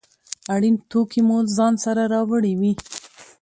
اړین توکي مو ځان سره راوړي وي.